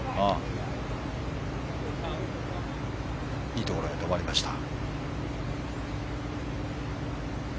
いいところで止まりました。